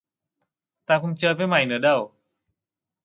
Tao không chơi với mày nữa đâu